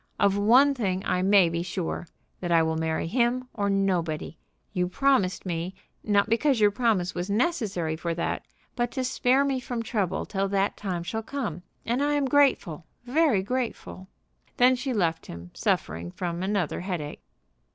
Of one thing I may be sure, that I will marry him or nobody. You promised me, not because your promise was necessary for that, but to spare me from trouble till that time shall come. And I am grateful, very grateful." Then she left him suffering from another headache.